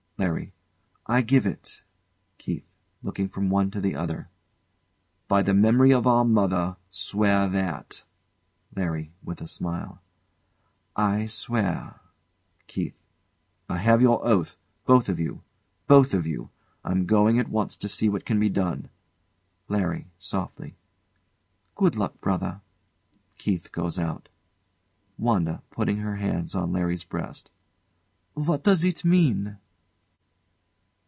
LARRY. I give it. KEITH. [Looking from one to the other] By the memory of our mother, swear that. LARRY. [With a smile] I swear. KEITH. I have your oath both of you both of you. I'm going at once to see what can be done. LARRY. [Softly] Good luck, brother. KEITH goes out. WANDA. [Putting her hands on LARRY's breast] What does it mean?